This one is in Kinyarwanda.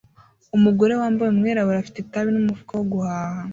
Umugore wambaye umwirabura afite itabi n umufuka wo guhaha